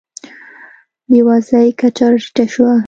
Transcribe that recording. د بېوزلۍ کچه راټیټه شوه.